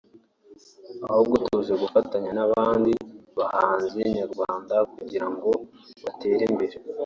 ahubwo tuje gufatanya n’abandi bahanzi nyarwanda kugira ngo dutere imbere